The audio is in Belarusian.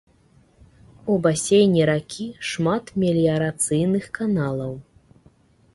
У басейне ракі шмат меліярацыйных каналаў.